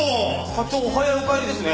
課長お早いお帰りですね。